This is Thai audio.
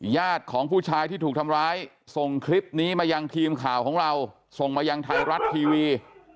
ญาติของผู้ชายที่ถูกทำร้ายส่งคลิปนี้มายังทีมข่าวของเราส่งมายังไทยรัฐทีวี